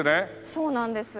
そうなんです。